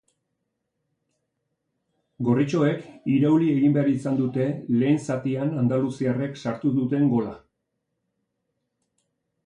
Gorritxoek irauli egin behar izan dute lehen zatian andaluziarrek sartu duten gola.